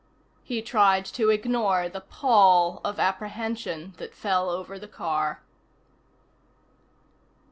He tried to ignore the pall of apprehension that fell over the car.